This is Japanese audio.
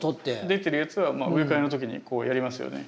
出てるやつは植え替えの時にこうやりますよね。